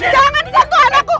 jangan sentuh anakku